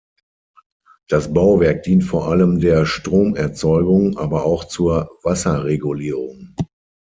Das Bauwerk dient vor allem der Stromerzeugung, aber auch zur Wasserregulierung.